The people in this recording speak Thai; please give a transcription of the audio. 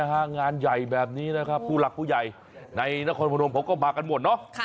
งานใหญ่แบบนี้นะครับผู้หลักผู้ใหญ่ในนครพนมเขาก็มากันหมดเนอะ